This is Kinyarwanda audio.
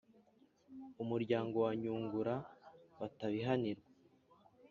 umuryango wa nyungura batabihanirwa?